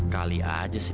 sampai jumpa lagi